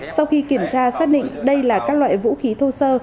sau khi kiểm tra xác định đây là các loại vũ khí thô sơ